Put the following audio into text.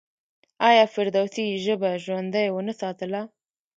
آیا فردوسي ژبه ژوندۍ ونه ساتله؟